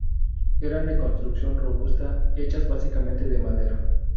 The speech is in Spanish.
Eran de construcción robusta, hechas básicamente de madera.